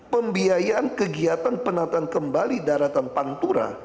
pembiayaan kegiatan penataan kembali daratan pantura